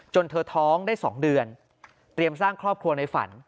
เธอท้องได้๒เดือนเตรียมสร้างครอบครัวในฝัน